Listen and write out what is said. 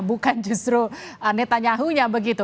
bukan justru netanyahunya begitu